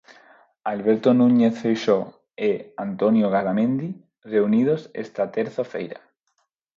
Alberto Núñez Feixóo e Antonio Garamendi, reunidos esta terza feira.